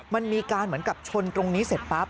มันมีการเหมือนกับชนตรงนี้เสร็จปั๊บ